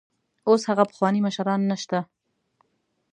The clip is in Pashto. اوس هغه پخواني مشران نشته.